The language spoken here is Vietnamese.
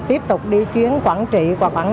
tiếp tục đi chuyến quản trị và quản